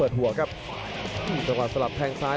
มันกำเท่าที่เขาซ้ายมันกำเท่าที่เขาซ้าย